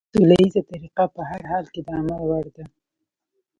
سوله ييزه طريقه په هر حال کې د عمل وړ ده.